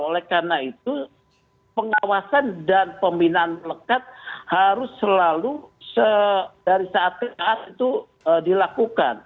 oleh karena itu pengawasan dan pembinaan lekat harus selalu dari saat saat itu dilakukan